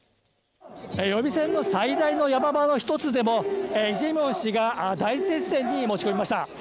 予備選の最大の山場の一つでも、イ・ジェミョン氏が大接戦に持ち込みました。